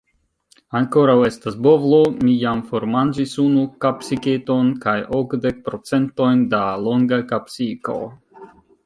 Ankoraŭ estas bovlo, mi jam formanĝis unu kapsiketon, kaj okdek procentojn da longa kapsiko.